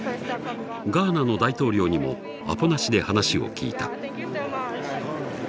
ガーナの大統領にもアポなしで話を聞いた。